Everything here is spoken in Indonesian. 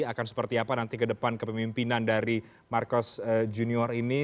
akan seperti apa nanti ke depan kepemimpinan dari marcos junior ini